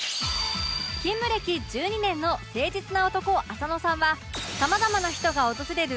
勤務歴１２年の誠実な男浅野さんはさまざまな人が訪れる